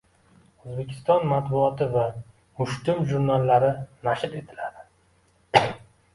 O‘zbekiston matbuoti va "Mushtum" jurnallari nashr etiladi